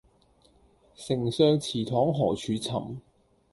丞相祠堂何處尋